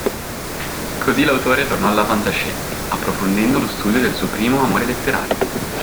Così l'autore tornò alla fantascienza, approfondendo lo studio del suo primo amore letterario.